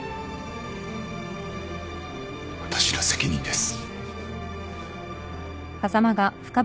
私の責任です。